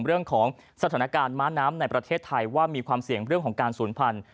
เรื่องของสถานการณ์ม้าน้ำในประเทศไทยว่ามีความเสี่ยงเรื่องของการศูนย์พันธุ